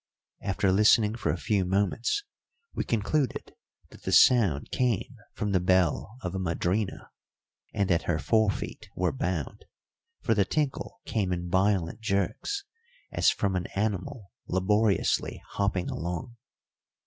After listening for a few moments, we concluded that the sound came from the bell of a madrina, and that her forefeet were bound, for the tinkle came in violent jerks, as from an animal laboriously hopping along.